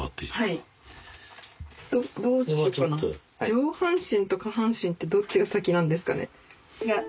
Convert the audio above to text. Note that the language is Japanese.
上半身と下半身ってどっちが先なんですかね？